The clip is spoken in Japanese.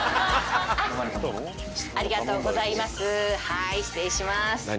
はい失礼します。